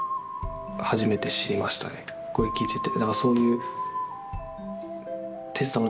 これ聞いてて。